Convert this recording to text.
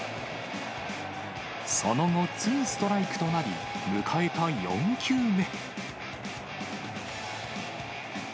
その後、ツーストライクとなり、迎えた４球目。